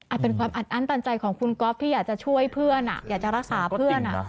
เป็นความอัดอั้นตันใจของคุณก๊อฟที่อยากจะช่วยเพื่อนอยากจะรักษาเพื่อน